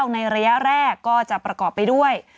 ในระยะแรกก็จะประกอบไปด้วย